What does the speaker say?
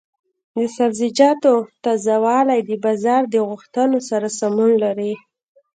د سبزیجاتو تازه والي د بازار د غوښتنو سره سمون لري.